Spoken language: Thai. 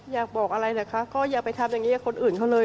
อยากบอกอะไรเหรอคะก็อย่าไปทำอย่างนี้กับคนอื่นเขาเลย